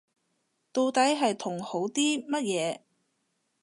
到底係同好啲乜嘢